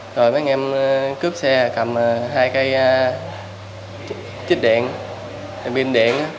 rồi mấy em cướp xe cầm hai cây chích điện pin điện